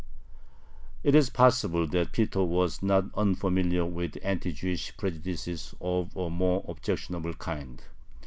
It is possible that Peter was not unfamiliar with anti Jewish prejudices of a more objectionable kind.